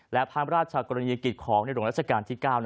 และพระราชกรณีกิจของโรงรัศกาลที่๙